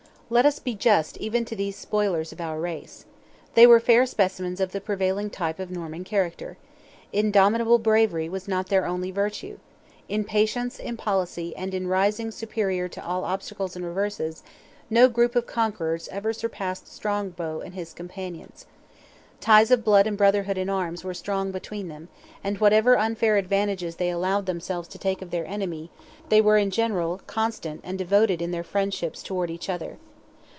Let us be just even to these spoilers of our race. They were fair specimens of the prevailing type of Norman character. Indomitable bravery was not their only virtue. In patience, in policy, and in rising superior to all obstacles and reverses, no group of conquerors ever surpassed Strongbow and his companions. Ties of blood and brotherhood in arms were strong between them, and whatever unfair advantages they allowed themselves to take of their enemy, they were in general constant and devoted in their friendships towards each other.